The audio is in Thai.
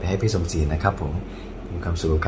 แล้ววันนี้ผมมีสิ่งหนึ่งนะครับเป็นตัวแทนกำลังใจจากผมเล็กน้อยครับ